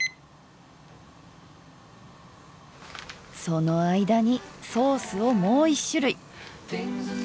その間にソースをもう一種類。